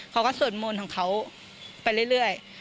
สวดมนต์ของเขาไปเรื่อย